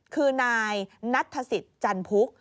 คือนายนัทธศิษย์จันพุก